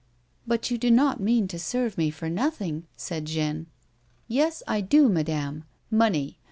" But you do not mean to serve me for nothing ?" said Jeanne. " Yes I do, madame. Money